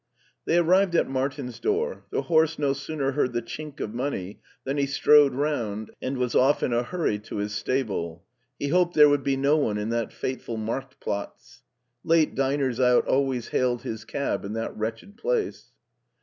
They arrived at Martin's door. The horse no sooner heard the chink of money than he strode round and was off in a hurry to his stable. He hoped there would be no one in that fateful Markt^ Platz. Late diners out always hailed his cab in that wretched place.